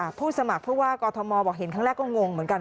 ผู้สมัครผู้ว่ากอทมบอกเห็นครั้งแรกก็งงเหมือนกัน